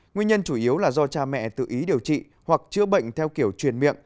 nguyên nhân chủ yếu là do cha mẹ tự ý điều trị hoặc chữa bệnh theo kiểu truyền miệng